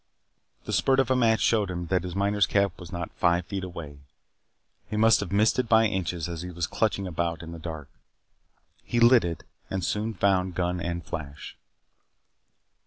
The spurt of a match showed him his miner's cap not five feet away. He must have missed it by inches as he was clutching about in the dark. He lit it and soon found gun and flash.